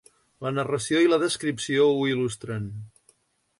La narració i la descripció ho il·lustren.